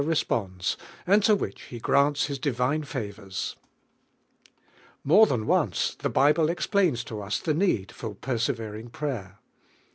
responds, and to which He (mints His di vine favors. ft*t?t: t ' Mora i linn once the ISihle explains tons the need (or persevering prayer.